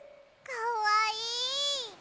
かわいい！